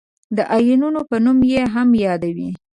د آیونونو په نوم یې هم یادوي.